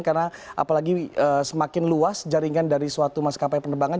karena apalagi semakin luas jaringan dari suatu maskapai penerbangan